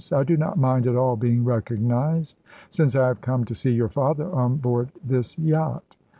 I do not mind at all being recognised, since I have come to see your father on board this yacht."